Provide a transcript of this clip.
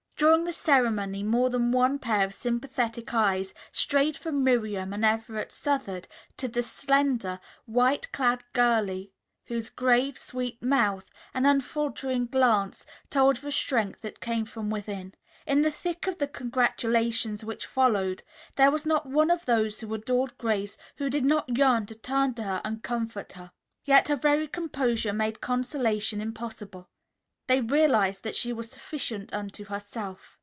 During the ceremony more than one pair of sympathetic eyes strayed from Miriam and Everett Southard to the slender, white clad girly whose grave, sweet mouth and unfaltering glance told of a strength that came from within. In the thick of the congratulations which followed, there was not one of those who adored Grace who did not yearn to turn to her and comfort her. Yet her very composure made consolation impossible. They realized that she was sufficient unto herself.